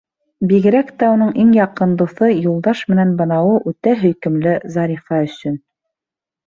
Бигерәк тә уның иң яҡын дуҫы Юлдаш менән бынауы үтә һөйкөмлө Зарифа өсөн...